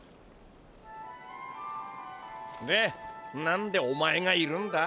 何でお前がいるんだ？